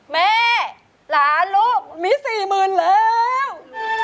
แม่หลานลูกมี๔๐๐๐แล้ว